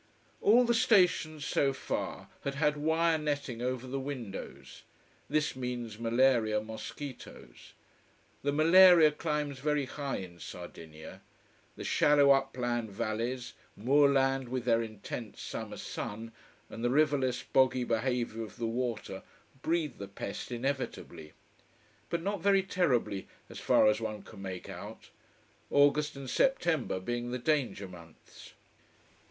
All the stations so far had had wire netting over the windows. This means malaria mosquitoes. The malaria climbs very high in Sardinia. The shallow upland valleys, moorland with their intense summer sun and the riverless, boggy behaviour of the water breed the pest inevitably. But not very terribly, as far as one can make out: August and September being the danger months.